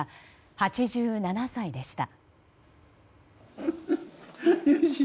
８７歳でした。